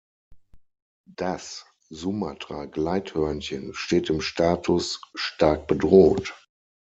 Das Sumatra-Gleithörnchen steht im Status „stark bedroht“.